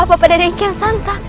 apa pada raikian santa